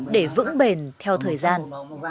để vững bền theo thời gian